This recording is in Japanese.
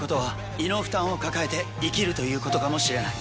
胃の負担を抱えて生きるということかもしれない。